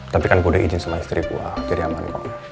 tapi kan kuda izin sama istri gue jadi aman kok